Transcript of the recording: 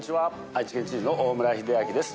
愛知県知事の大村秀章です。